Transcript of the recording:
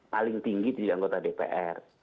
paling tinggi jadi anggota dpr